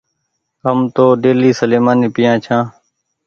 هم تو ڍيلي سليمآني پيآ ڇآن